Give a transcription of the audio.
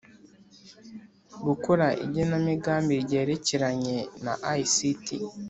gukora igenamigambi ryerekeranye na ict